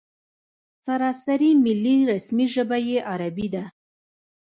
سراسري ملي رسمي ژبه یې عربي ده.